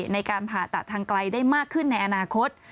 ในการผ่าตัดทางไกลได้มากขึ้นในอนาคต